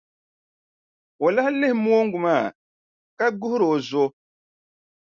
O lahi lihi noongu maa ka guhiri o zo.